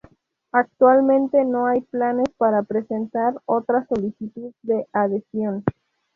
Actualmente no hay planes para presentar otra solicitud de adhesión.